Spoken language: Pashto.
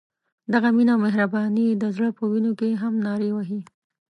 دغه مینه او مهرباني د زړه په وینو کې هم نارې وهي.